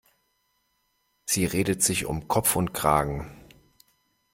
Sie redet sich um Kopf und Kragen.